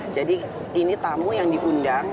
jadi ini tamu yang diundang